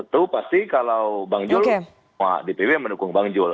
tuh pasti kalau bang jul dpw yang mendukung bang jul